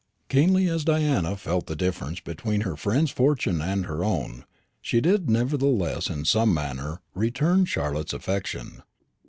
Keenly as Diana felt the difference between her friend's fortune and her own, she did nevertheless in some manner return Charlotte's affection.